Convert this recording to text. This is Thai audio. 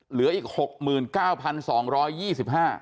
เหลืออีกหกหมื่นเก้าพันสองร้อยยี่สิบห้า